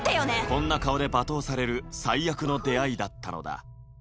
こんな顔で罵倒される最悪の出会いだったのだ